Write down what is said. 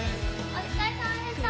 お疲れさまでした。